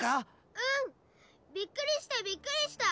うん！びっくりしたびっくりした！